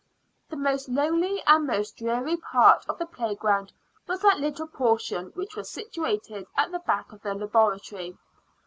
The most lonely and most dreary part of the playground was that little portion which was situated at the back of the Laboratory.